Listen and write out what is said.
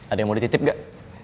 ada yang mau dititip nggak